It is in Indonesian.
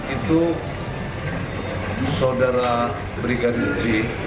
itu saudara brigadir z